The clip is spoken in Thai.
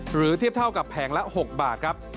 หรือเทียบเท่ากับแผงละ๖บาทครับ